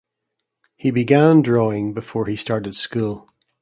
He began drawing before he started school.